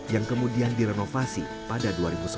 yang kemudian direnovasi pada dua ribu sebelas